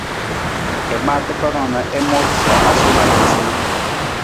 I maa takarang na i moosu sa a suu na a tiisa nii.